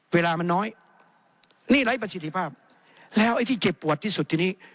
เวลามันน้อยหนี้ไร้ประสิทธิภาพแล้วไอ้ที่เจ็บปวดที่สุดทีนี้